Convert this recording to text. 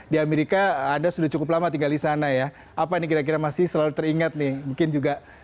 di amerika ada sudah cukup lama tiga disana ya apa ini kira kira masih selalu diingat nih mungkin juga